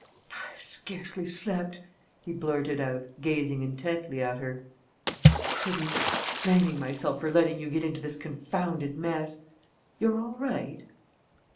"I've scarcely slept!" he blurted out, gazing intently at her. "Couldn't! Blaming myself for letting you get into this confounded mess! You're all right?"